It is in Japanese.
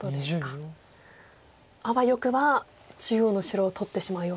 あわよくば中央の白を取ってしまうような。